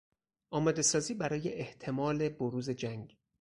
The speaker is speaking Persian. آماده سازی برای احتمال بروز جنگ